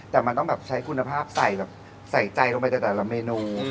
แต่มันต้องใช้คุณภาพใส่ใจลงไปแต่ละเมนู